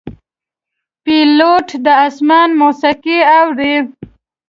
پیلوټ د آسمان موسیقي اوري.